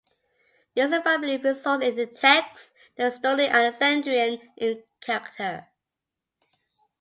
This invariably results in a text that is strongly Alexandrian in character.